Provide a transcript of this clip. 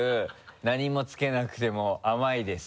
「何もつけなくても甘いです」